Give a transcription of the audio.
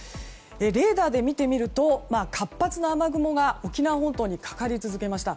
レーダーで見てみると活発な雨雲が沖縄本島にかかり続けました。